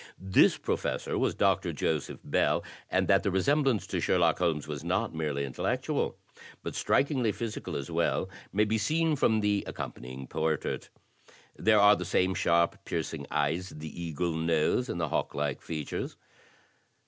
*' This professor was Dr. Joseph Bell, and that the resemblance to Sherlock Holmes was not merely intellectual, but strikingly physical as well, may be seen from the ac companying portrait. There are the same sharp, piercing eyes, the eagle nose, and the hawk like features.